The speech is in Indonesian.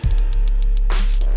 udah mulai lapar nih mbak put